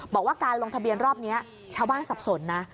บอกว่าการลงทะเบียนรอบนี้ชาวบ้านสับสนนะ